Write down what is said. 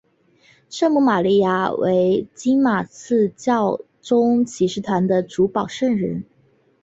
圣母玛利亚为金马刺教宗骑士团的主保圣人。